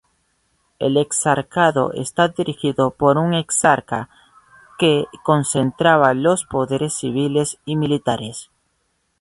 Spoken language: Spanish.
El exarcado está dirigido por un exarca que concentraba los poderes civiles y militares.